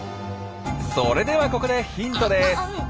それではここでヒントです。